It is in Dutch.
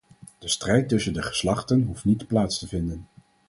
De strijd tussen de geslachten hoeft niet plaats te vinden.